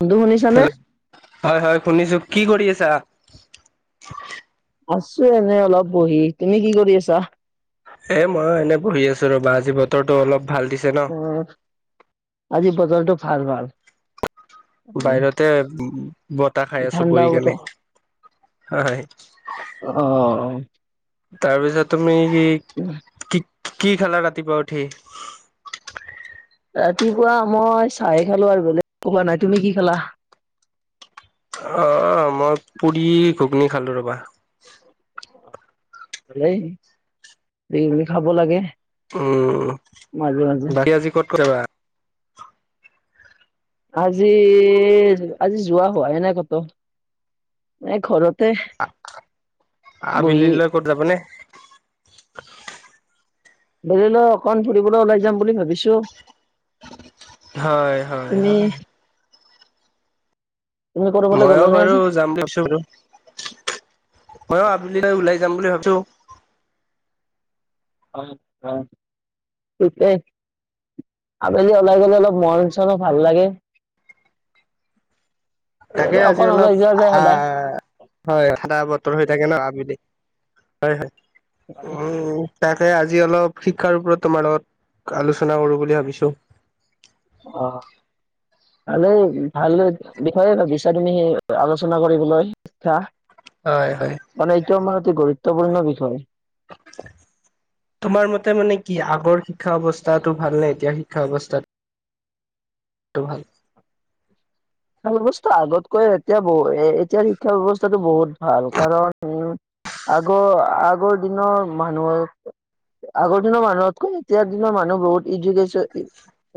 বন্ধু শুনিছানে? হেল্ল' হয় হয় শুনিছো কি কৰি আছা? আছো এনে অলপ বহি তুমি কি কৰি আছা? এ মইয়ো এনেই বহি আছো ৰবা আজি বতৰটো অলপ ভাল দিছে ন? অ', আজি বতলটো ভাল ভাল। উম, বাহিৰতে বতাহ খাই আছো বহি কেনে। হয় অ', অ'। তাৰ পিছত তুমি কি- কি কি খালা ৰাতিপুৱা উঠি? ৰাতিপুৱা মই চাহে খালো আৰু বেলেগ খোৱা নাই তুমি কি খালা? অহ, মই পুৰি ঘুগনী খালো ৰ'বা। এনেই পুৰি ঘুগনী খাব লাগে। উম, মাজে মাজে। বাকী আজি ক'ত-ক'ত যাবা? আজি- আজি যোৱা হোৱাই নাই ক'ত? ঘৰতে বহি আবেলিলৈ ক'ত যাবানে ধৰি লও অকন ফুৰিবলৈ ওলাই যাম বুলি ভাবিছো। তুমি হয়-হয়-হয় তুমি ক'ৰবালৈ ময়ও গ'লা নে বাৰু আজি? যাম বুলি ভাবিছিলো ময়ো আবিলিলৈ ওলাই যাম বুলি ভাব ছো। অ', অ', তেতাই আবেলী ওলাই গ'লে অলপ মন চনো ভাল লাগে। এই তাকে আজি অকণ ওলাই অলপ যোৱা যায় আ সদায়। হয় ঠাণ্ডা বতৰ হৈ থাকে ন' আবেলি। হয়-হয় উম, তাকে আজি অলপ শিক্ষাৰ ওপৰত তোমাৰ লগত আলোচনা কৰো বুলি ভাবিছো। অ', ভালেই ভাল বিষয়ে ভাবিছা তুমি সেই আলোচনা কৰিবলৈ ইচ্ছা। হয় হয় মান এইটো আমাৰ এটি গুৰুত্বপূৰ্ণ বিষয়। তোমাৰ মতে মানে কি আগৰ শিক্ষা অৱস্থাটো ভাল নে এতিয়া শিক্ষা অৱস্থাত টো ভাল? শিক্ষা ব্যৱস্থা আগতকৈ এতিয়া বো এতিয়াৰ শিক্ষা ব্যৱস্থাটো বহুত ভাল কাৰণ আগৰ আগৰ দিনৰ মানুহক আগৰ দিনৰ মানুহতকৈ এতিয়াৰ দিনৰ মানুহ বহুত ইডুকেশ্যন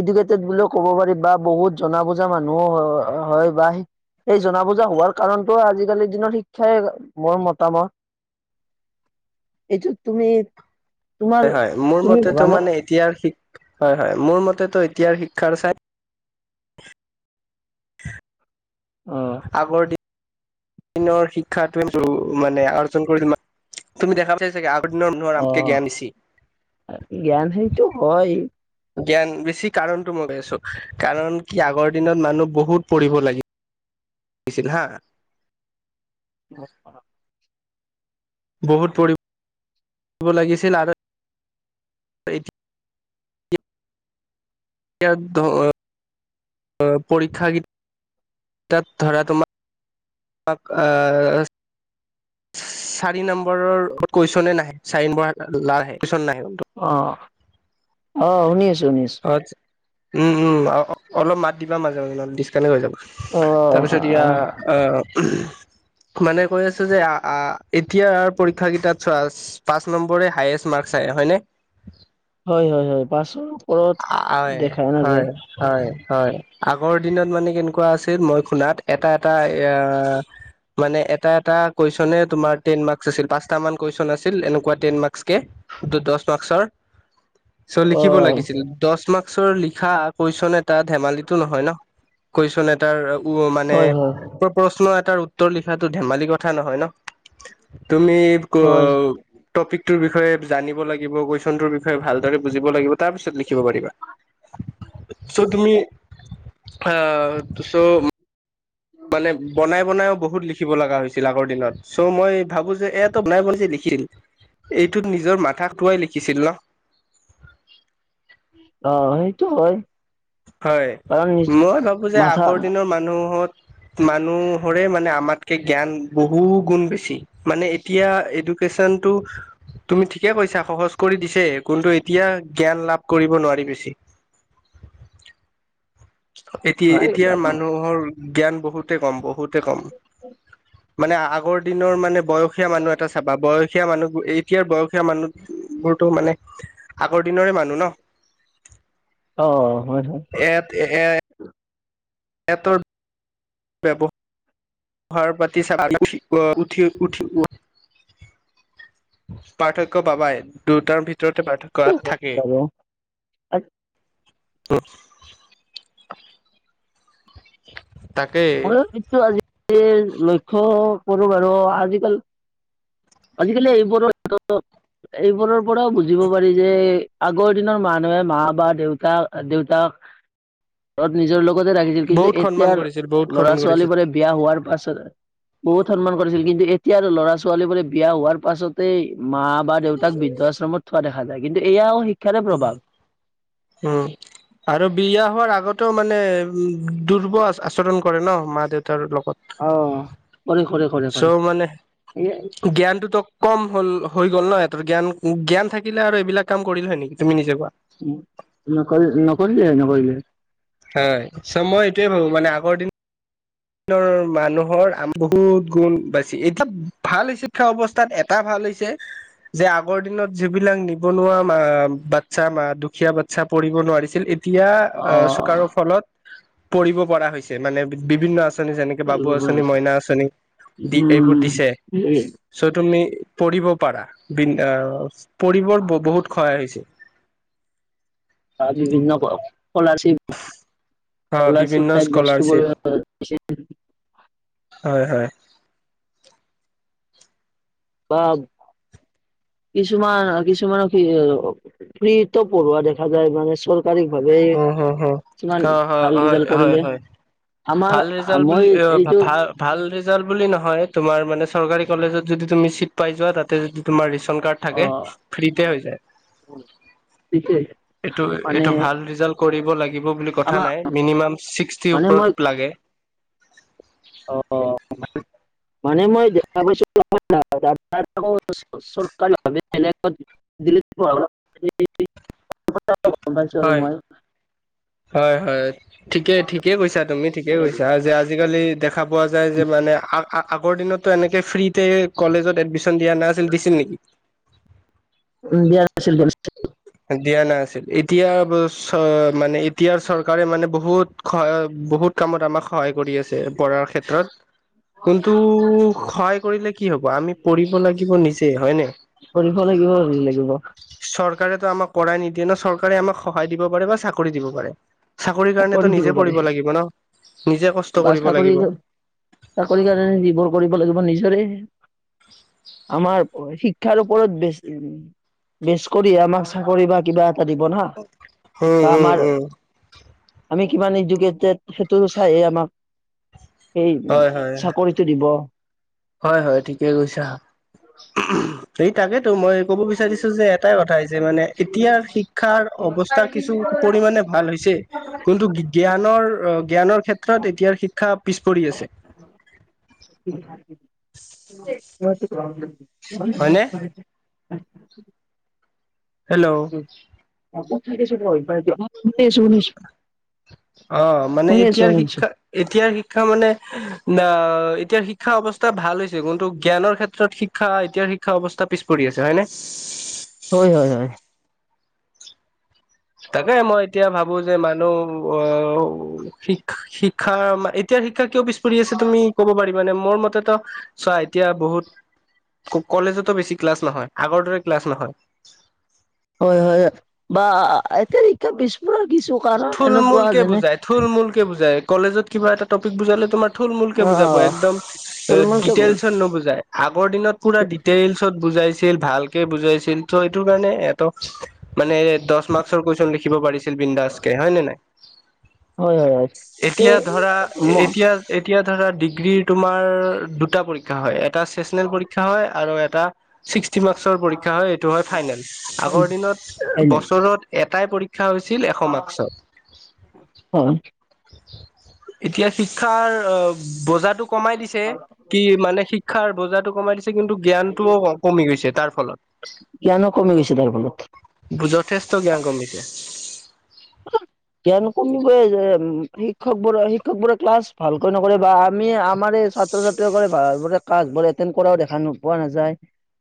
এডুকেটেড বুলিও ক'ব পাৰি বা বহুত জনা বুজা মানুহ হয় বা এই জনা বুজা হোৱাৰ কাৰণটো আজিকালিৰ দিনৰ শিক্ষাই মোৰ মতামত এইটো তুমি তোমাৰ হয় হয় মোৰ তুমি মতেতো ভাবানে? মানে এতিয় হয় মোৰ মতেতো এতিয়াৰ শিক্ষাৰ চাই অ'। আগৰ দিন নৰ শিক্ষাটো মানে আৰ্জন কৰি [unintelligible] তুমি দেখা পচাই চাগে দিনৰ মানুহৰ আমতকে আহ জ্ঞান বেছি। জ্ঞান সেইটো হয় জ্ঞান বেছি কাৰণটো মই কৈ আছো কাৰণ কি আগৰ দিনত মানুহ বহুত পঢ়িব লাগি ছিল হা [unintelligible] বহুত পঢ়িব লাগিছিল আৰু [unintelligible] এতিয়া [unintelligible] পৰীক্ষা কেইটাতা ধৰা তোমাৰ আহ। চাৰি নম্বৰৰ কুৱেশচনে নাহে চাৰি নম্বৰ [unintelligible] অহ, শুনি আছো, শুনি আছো। অ উম, উম, অলপ মাত দিবা মাজে মাজে ডিছকানেক্ট হৈ যাব। অ', তাৰপিছত এয়া অ'। আহ [inaudible] মানে কৈ আছো যে আ আ এতিয়াৰ পৰীক্ষাৰ কেইটা ত চোৱা পাছ নম্বৰে হায়েছ মাৰ্ক চায় ‌হয় নে হয়, হয়, হয়, পছক হয় হয়, হয়। হয় আগৰ দিনত মানে কেনেকুৱা আছিল মই শুনাত এটা এটা এয়া মানে এটা এটা কুৱেশচনে তোমাৰ টেন মাৰ্ক্স আছিল পাঁচটা মান কুৱেশন আছিল এনেকুৱা টেন মাৰ্ক্সকে। দ দশ মাৰ্কচৰ। [inaudible] চ' লিখিব অ', লাগিছিল দশ মাৰ্কচৰ লিখা কুৱেচছন এটা ধেমালিটো নহয় ন'। কুৱেশন এটাৰ উ মানে, হয়, হয়, প্ৰ প্ৰশ্ন এ তাৰ উত্তৰ লিখাটো ধেমালি কথা নহয় ন' তুমি হয়, টপিকটোৰ বিষয়ে জানিব লাগিব কুৱেশ্যনটো মৰ বিষয়ে ভালদৰে বুজিব লাগিব তাৰপিছত লিখিব পাৰিবা, চ' তুমি আহ চ' মানে বনাই বনাইও বহুত লিখিব লগা হৈছিল আগৰ দিনত চ' মই ভাবোঁ যে এয়াতো বনাই [unintelligible] এইটোত নিজৰ মাথা খটুৱাই লিখিছিল ন'। অ', সেইটো হয়। হয়, কাৰণ নিজ মই ভাবো যে মাথা আগৰ দিনৰ মানুহত মানুহৰে মানে আমাতকে জ্ঞান বহু গুণ বেছি মানে এতিয়া এডু কেশ্বনটো তুমি ঠিকে কৈছা সহজ কৰি দিছে, কিন্তু এতিয়া জ্ঞান লাভ কৰিব নোৱাৰি বেছি। [inaudible] [inaudible] এতিয়া হয় এতিয়া বাৰু, মানুহৰ জ্ঞান বহুতে কম বহুতে কম। মানে আগৰ দিনৰ মানে বয়সীয়া মানুহ এটা চাবা বয়সীয়া মানুহ এতিয়াৰ বয়সীয়া মানুহবোৰ টো মানে আগৰ দিনৰৰে মানুহ ন। অ, ' হয়, হয়। এ এটোত [unintelligible] পাৰ্থক্য পাবাই দুটাৰ ভিত ৰতে সেইটো হয় পাৰ্থক্য বাৰু। থাকেই উ। মই কিন্তু আজিকালি লক্ষ্য কৰো বাৰু আজিকাল আজিকালি এইবোৰৰ এইবোৰৰ পৰাও বুজিব পাৰি যে আগৰ দিনৰ মানুহে মা বা দেউতা দেউতাক নিজৰ লগত লগতে ৰাখিছিল কিন্তু বহুত সন্মান এতিয়াৰ কৰিছিল বহুত ল'ৰা সন্মান ছোৱালী কৰিছিল বোৰে বিয়া হোৱাৰ পাছত বহুত সন্মান কৰিছিল, কিন্তু এতিয়া আৰু ল'ৰা ছোৱালী বোৰে বিয়া হোৱাৰ পাছতেই মা বা দেউতাক বৃদ্ধশ্ৰমত থোৱা দেখা যায় কিন্তু এয়াও শিক্ষ উম আৰু বিয়া হোৱাৰ আগতেও মানে উ দুৰ্বল আচৰণ কৰে ন মা দেউতাৰ লগত। অ কৰে কৰে। কৰে। চ' মানে জ্ঞানটোতো কম হ'ল হৈ গ'ল ন সিহতৰ জ্ঞান। জ্ঞান থাকিলে আৰু এইবিলাক কাম কৰিলহে নেকি তুমি নিজে কোৱা। নকৰি নকৰিলে হয় নকৰিলে। হয়। হয় চ মই এইটোয়ে ভাবো মানে আগৰ দিন আগৰ দিনৰ মানুহৰ বহুত গুণ বাইছি এতিয়া ভাল শিক্ষা অৱস্থাত এটা ভাল হৈছে। আগৰ দিনত যিবিলাক নিবনুৱা বাচ্ছাা দুখীয়া বাচ্ছা পঢ়িব নোৱাৰিছিল এতিয়া কাৰো অ'। ফলত পঢ়িব পৰা হৈছে মানে বিভিন্ন আচঁনিৰ ফলত। আচনি যেনেকে বাবু আঁচনি মইনা আঁচনি দি এইবোৰ উম। দিছে চ' তুমি পঢ়িব পাৰা বি এছ পঢ়িব বহুত সহায় হৈছে। বা বিভিন্ন স্কলাৰশ্বিপ অ বিভিন্ন স্কলাৰশ্বিপ টাইপ বস্তু স্কলাৰশ্বিপ কৰি হয় হয়। বা কিছুমান কিছুমান ফ্ৰীটো পঢ়োৱাা দেখা যায় মানে চৰকাৰ পাৰ ভাৱে হ হ হ কিমান অ হয় ভাল হয় ৰিজাল্ট হয় কৰিলে। হয় আমাৰ ভাল ৰিজাল মই বুলি এইটো ভ ভাল ৰিজাল বুলি নহয় তোমাৰ মানে চৰকাৰী কলেজত। যদি তুমি চিট পাই যোৱা তাতে যদি তোমাৰ ৰিস্ক ৰেচন কাৰ্ড অ থাকে, ফ্ৰীতে হয় যায় বিশেষ এইটো মানে এইটো ভাল ৰিজাল্ট কৰিব লাগিব বুলি কথা আমাৰ নাই, মিনিমাম ছিক্সতি মানে মই ওপৰত লাগে। অ' মানে মই দেখা পাইছোঁ [unintelligible] [inaudible] গম পাইছোঁ আৰু হয় মই। হয় হয়, ঠিকে ঠিকে কৈছা। তুমি ঠিকে কৈছা যে আজিকালি দেখা পোৱা যায় যে মানে, আগ-আগৰ দিনতটো এনেকে ফ্ৰীতে কলেজত এডমিছন দিয়া নাছিল, দিছিল নেকি? উম, দিয়া নাছিল দিয়া নাছিল। দিয়া নাছিল, এতিয়া মানে এতিয়াৰ চৰকাৰে মানে বহুত সহ বহুত কামত আমাক সহায় কৰি আছে পঢ়াৰ ক্ষেত্ৰত। কোনটো, সহায় কৰিলে কি হ'ব আমি পঢ়িব লাগিব নিজে। হয় নে? কৰিব লাগিব লাগিব চৰ কাৰেতো আমাক পৰাই নিদিয়ে ন, চৰকাৰে আমাক সহায় দিব পাৰে বা চাকৰি দিব পাৰে। চাকৰিৰ কৰি কাৰণেতো দিব নিজে পাৰে পঢ়িব লাগিব ন, নিজে কষ্ট বা কৰিব চাকৰি লাগিব। চাকৰি কাৰণে যিবোৰ কৰিব লাগিব নিজৰে। [inaudible] আমাৰ শিক্ষাৰ ওপৰত বেছ বেছ কৰি আমাক চাকৰি বা কিবা দিব নাহ, উম বা উম আমাৰ উম আমি কিমান এডুকেটেড সেইটো চাইহে আমাক এই হয় হয় চাকৰিটো দিব। হয় হয় ঠিকে কৈছা। এই তাকে টো মই ক'ব বিচাৰিছো যে এটাই কথা যে মানে এতিয়াৰ শিক্ষাৰ অৱস্থা কিছু পৰিমানে ভাল হৈছে কিন্তু জ্ঞানৰ জ্ঞানৰ ক্ষেত্ৰত এতিয়াৰ শিক্ষা পিছ পৰি আছে। হয়নে [unintelligible] হেল্ল'। [inaudible] শুনিছো অ', মানে এতিয়াৰ শুনিছো শিক্ষা, এতিয়াৰ শি শিক্ষা মানে, ন', এতিয়া শিক্ষা অৱস্থা ভাল হৈছে। কিন্তু জ্ঞানৰ ক্ষেত্ৰত শিক্ষা এতিয়াৰ শিক্ষা অৱস্থা পিছ পৰি আছে হয়নে? হয়-হয়-হয়। তাকে মই এতিয়া ভা বো যে মানুহ, অ', শিক্ষা, এতিয়া শিক্ষা কিয় পিছ পৰি আছে তুমি ক'ব পাৰি নে? মোৰ মতেতো চোৱা এতিয়া বহুত কলেজতো বেছি ক্লাছ নহয় আগৰ দৰে ক্লাছ নহয়। হয়-হয় বা এতিয়া শিক্ষা পিছ পৰা থুল মুল কে বুজাই, থুল মূল কে বুজাই। কলেজত কিবা এটা টপিক বুজালে তোমাৰ থুলমূলকে বুজাব আহ একদম, চলমান কে দিতেল'চত নুবুজাই। আগৰ দিনত পোৰা দিতেল'চত বুজাই ছিল, ভালকে বুজাইছিল ত' এইটো কাৰণে এটক, মানে দহ মাস্কৰ কুৱেশ্যন লিখিব পাৰিছিল বিন্দাছ। হয় নে নাই? হয় হয় হয় এতিয়া এই ধৰা, ম এতিয়া এতিয়া ধৰা ডিগ্ৰীৰ তোমাৰ, দুটা পৰীক্ষা হয়। এটা চেচনেল পৰীক্ষা হয় আৰু এ এটা, ছিক্সটি মাৰ্ক্সৰ পৰীক্ষা হয় এইটো হয় ফাইনেল আগৰ দিনত বছৰত এ এটাই পৰীক্ষা হৈছিল এশ মাক হয়। এতিয়া শিক্ষাৰ, অ', বজাটো কমাই দিছে, কি মানে শিক্ষাৰ বজাটো কমাই দিছে। কিন্তু জ্ঞানটোও, কমি গৈছে তাৰ জ্ঞানো কমি গৈছে তাৰ ফলত ফলত। যথেষ্ট জ্ঞান কমিছে। [inaudible] জ্ঞান কমিবই যে, শিক্ষক বৰে শিক্ষক বোৰে ক্লাছ ভালকৈ নকৰে বা আমি আমাৰে ছাত্ৰ ছাত্ৰীসকলে ভাল কৰে ক্লাছবোৰ এটেণ্ড কৰাও দেখা নোপোৱা নাযায়।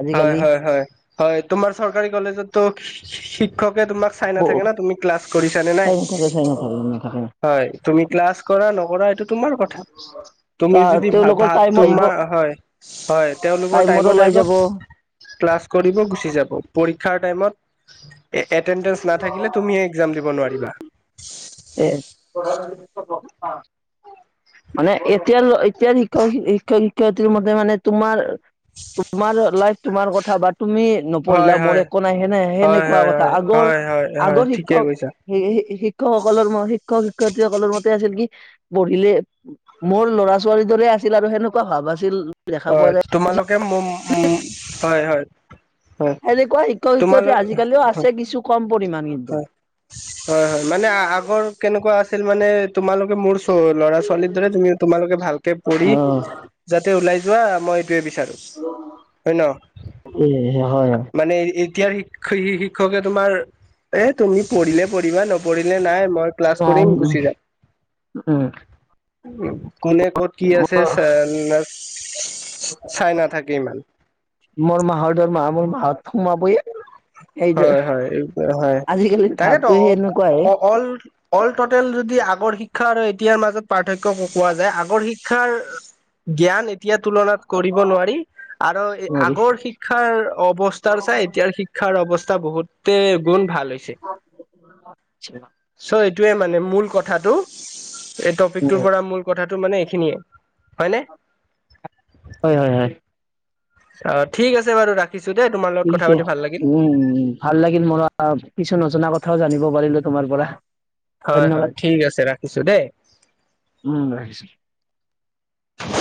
আজিকালি হয়-হয়-হয়-হয়, তোমাৰ চৰকাৰী কলেজতো শি-শিক্ষক, তোমাক চাই বহু নাথাকে না তুমি ক্লাছ কৰিছানে নাই। চাই নাথাকে চাই নাথাকে নাথাকে হয়, তুমি ক্লাছ কৰা নকৰা এইটো তোমাৰ কথা। তা তুমি যদি তেওঁলোকৰ ভাতা ল, টাইম আহিব তোমাৰ হয়-হয়, তেওঁলোকৰ টাইমত ওলাই যাব আহিব। ক্লাছ কৰিব, গুচি যাব পৰীক্ষাৰ টাইমত এটেণ্ডেঞ্চ নাথাকিলে তুমিহে এক্সাম দিব নোৱাৰিবা। এ, মানে এতিয়া ল শিক্ষক-শিক্ষক শিক্ষয়িত্ৰী মতে মানে, তোমাৰ-তোমাৰ লাইফ তোমাৰ কথা বা তুমি, নপঢ়িলা হয় মোৰ হয় একো নাই হয় সেনে-সেনেকুৱা হয় কথা হয় হয় হয় হয় আগৰ-আগৰ ঠিকে শিক্ষক কৈছা টো সেই শি-শিক্ষকসকলৰ মই শিক্ষক শিক্ষয়িত্ৰী সকলৰ মতে আছিল কি, পঢ়িল, মোৰ ল'ৰা ছোৱালীৰ দৰে আছিল আৰু সেনেকুৱা। ভাবাছিল। হয়', তোমালোকে ম-ম হয়-হয়। সেনেকুৱা শিক্ষক শিক্ষয়িত্ৰী আজিকালিও আছে কিছু কম পৰিমাণ। কিন্তু। হয়-হয়-হয় মানে আগৰ কেনেকুৱা আছিল মানে তোমালোকে মোৰ স্কুল ত ল'ৰা ছোৱালীৰ দৰে তুমি তোমালোকে ভালকে পঢ়ি, অ যাতে ওলাই যোৱা মই বিচাৰো, হয় ন'। এ হয় মানে এ এতিয়াৰ শি-শিক্ষকে তোমাৰ, এ তুমি পঢ়িলে পঢ়িবা নপঢ়িলে নাই। মই ক্লাছ কৰিম গুচি যাম। কোনে ক'ত কি আছে চা মোৰ মাহতৰ মা [inaudible] হয়-হয়, এই হয়। আজিকালি তাকেতো ভাৱটো সেনেকুৱাহে। অ-অ অল-অল টটেল যদি আগৰ শিক্ষা আৰু। এয়াৰ মাজত পাৰ্থক্য কোৱা যায় আগৰ শিক্ষাৰ জ্ঞান। এতিয়া তুলনাত কৰিব নোৱাৰি আৰু আগৰ শিক্ষাৰ অৱস্থাৰ চাই। এতিয়াৰ শিক্ষাৰ অৱস্থা বহুতে গুণ ভাল। চ' এইটোৱে মানে মূল কথাটো। এই টপিকটোৰ পৰা মূল কথাটো মানে এইখিনিয়ে হয়নে? হয়-হয়-হয়, অ' ঠিক আছে বাৰু ৰাখ ছে উম উম ভাল লাগিল মন কিছু নজনা কথাও জানিব পাৰিলো তোমাৰ পৰা। হয় হয় ধন্যবাদ ঠিক আছে ৰাখিছো দেই। উম ৰাখিছ। [unintelligible]